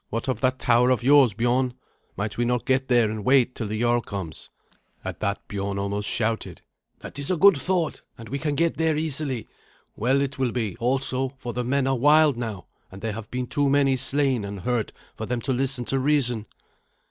What of that tower of yours, Biorn? Might we not get there and wait till the jarl comes?" At that Biorn almost shouted. "That is a good thought, and we can get there easily. Well it will be, also, for the men are wild now, and there have been too many slain and hurt for them to listen to reason."